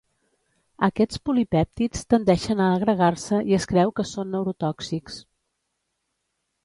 Aquests polipèptids tendeixen a agregar-se i es creu que són neurotòxics.